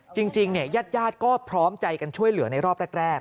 จริงญาติก็พร้อมใจกันช่วยเหลือในรอบแรก